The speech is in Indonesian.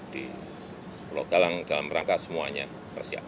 di pulau galang dalam rangka semuanya persiapan